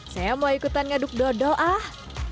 saya mau ikutan ngaduk dodol ah